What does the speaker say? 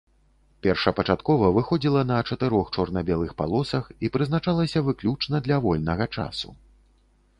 Першапачаткова выходзіла на чатырох чорна-белых палосах і прызначалася выключна для вольнага часу.